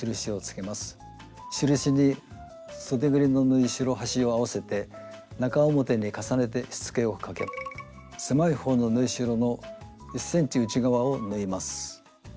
印にそでぐりの縫いしろ端を合わせて中表に重ねてしつけをかけ狭い方の縫いしろの１ｃｍ内側を縫います。